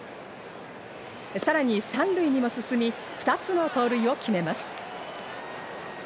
さらに３塁にも進み、二つの盗塁を決めます。